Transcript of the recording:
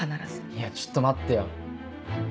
いやちょっと待ってよ。